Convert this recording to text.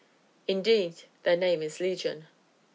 Indeed, their name is "Legion."